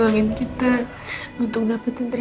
aku gak mau bang